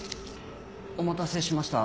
お待たせしました。